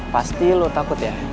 pasti lu takut ya